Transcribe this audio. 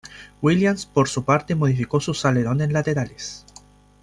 Williams, por su parte, modificó sus alerones laterales.